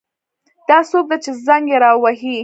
دا څوک ده چې زنګ یې را وهي